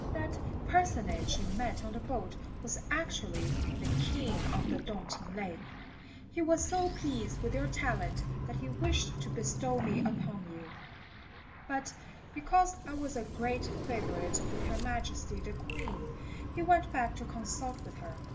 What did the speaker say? That personage you met on the boat was actually the king of the Tung t'ing lake. He was so pleased with your talent that he wished to bestow me upon you; but, because I was a great favourite with Her Majesty the Queen, he went back to consult with her.